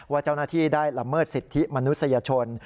ว่าเจ้าหน้าที่ได้ละเมิดสิทธิมนุษยชน